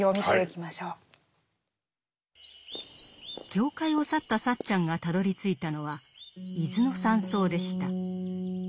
教会を去ったサッチャンがたどりついたのは伊豆の山荘でした。